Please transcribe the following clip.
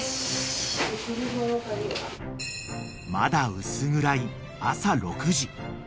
［まだ薄暗い朝６時］